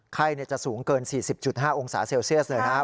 ไข้จะสูงเกิน๔๐๕องศาเซลเซียสเลยนะครับ